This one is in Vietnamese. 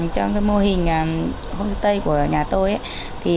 trong mô hình homestay của nhà tôi